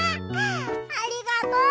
ありがとう！